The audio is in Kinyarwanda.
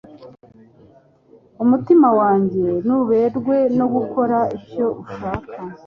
Umutima wanjye nuberwe no gukora icyo ushaka